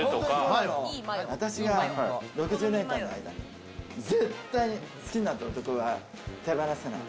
私が６０年間の間、絶対に好きになった男は手放さない。